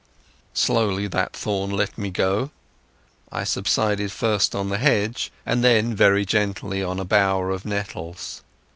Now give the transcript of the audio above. Slowly that thorn let me go. I subsided first on the hedge, and then very gently on a bower of nettles.